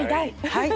はい。